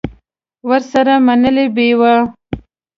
ورسره منلې به یې وه.